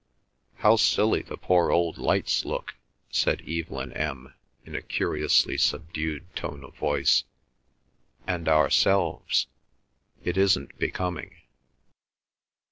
"How silly the poor old lights look!" said Evelyn M. in a curiously subdued tone of voice. "And ourselves; it isn't becoming."